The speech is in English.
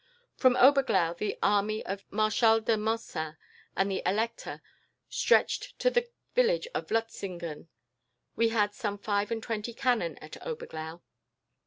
From Oberglau the army of Marshal de Marcin and the Elector stretched to the village of Lutzingen. We had some five and twenty cannon at Oberglau.